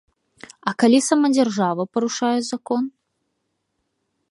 А калі сама дзяржава парушае закон?